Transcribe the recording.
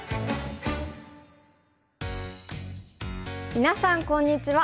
みなさんこんにちは。